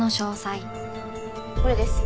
これです。